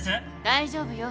大丈夫よ。